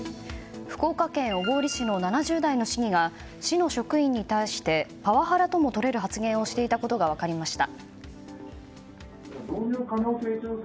福岡県小郡市の７０代の市議が市の職員に対してパワハラともとれる発言をしていたことが分かりました。